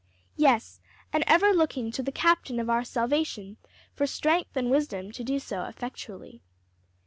"Yes, and ever looking to the captain of our salvation for strength and wisdom to do so effectually."